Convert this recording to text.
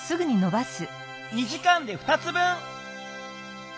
２時間で２つ分！